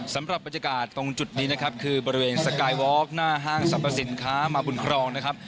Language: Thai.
สำหรับบรรยากาศตรงจุดนี้นะครับคือบริเวณสกายวอล์กหน้าห้างสรรพสินค้ามาบุญครองนะครับ